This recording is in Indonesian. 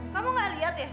kamu gak liat ya